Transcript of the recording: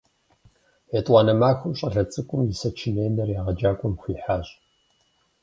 Етӏуанэ махуэм щӏалэ цӏыкӏум и сочиненэр егъэджакӏуэм хуихьащ.